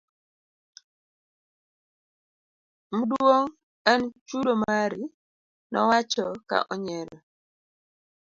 Mduong en chudo mari, nowacho ka onyiero.